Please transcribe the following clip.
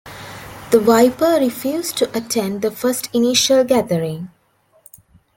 The Viper refused to attend the first initial gathering.